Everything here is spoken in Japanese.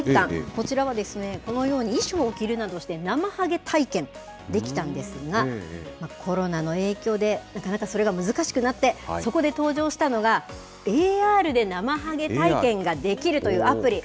こちらはこのように衣装を着るなどして、なまはげ体験できたんですが、コロナの影響で、なかなかそれが難しくなって、そこで登場したのが、ＡＲでなまはげ体験ができるというアプリ。